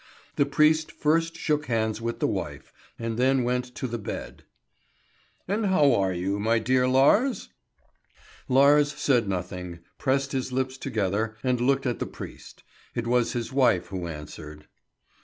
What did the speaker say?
The priest first shook hands with the wife, and then went to the bed. "And how are you, my dear Lars?" Lars said nothing, pressed his lips together, and looked at the priest. It was his wife who answered.